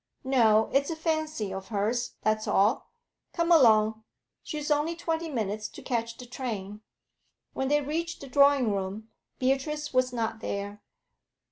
'No. It's a fancy of hers, that's all. Come along; she's only twenty minutes to catch the train.' When they reached the drawing room, Beatrice was not there.